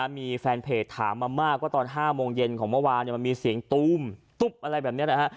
มีแฟนเพจถามมามากว่าตอน๕โมงเย็นของเมื่อวานมันมีเสียงตู้มตุ๊บอะไรแบบนี้นะฮะ